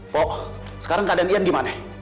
po sekarang keadaan ian gimana